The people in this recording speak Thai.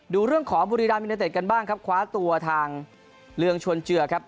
ดูเรื่องของบุรีรามยูเนเต็ดกันบ้างครับคว้าตัวทางเรืองชวนเจือครับ